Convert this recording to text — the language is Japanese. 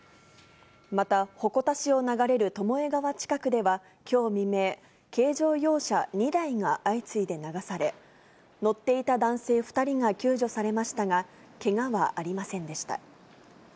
また、鉾田市を流れる巴川近くでは、きょう未明、軽乗用車２台が相次いで流され、乗っていた男性２人が救助されましたが、けがはありませんでした。